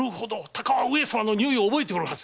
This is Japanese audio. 鷹は上様のにおいを覚えておるはず。